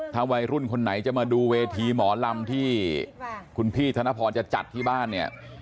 ถ้าวัยรุ่นคนไหนจะมาดูเวทีหมอลำที่คุณพี่ธนพรจะจัดที่บ้านเนี่ย